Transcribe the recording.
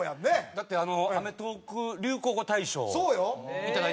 だってアメトーーク流行語大賞いただいてますから。